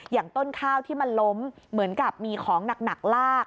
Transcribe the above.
อย่างต้นข้าวที่มันล้มเหมือนกับมีของหนักลาก